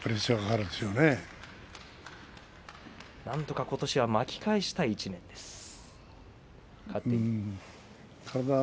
なんとかことしは巻き返したい１年です、豊山。